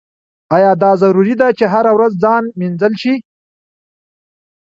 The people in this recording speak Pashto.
ایا دا ضروري ده چې هره ورځ ځان مینځل شي؟